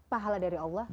pahala dari allah